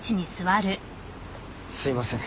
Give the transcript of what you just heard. すいません。